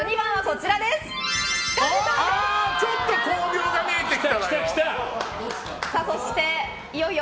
ちょっと光明が見えてきたわよ。